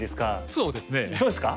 そうですか？